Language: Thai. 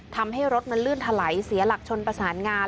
ทำให้รถมันลื่นถลายเสียหลักชนประสานงาน